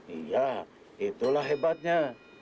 iya itulah hebatnya